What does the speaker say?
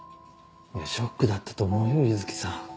いやショックだったと思うよ柚木さん。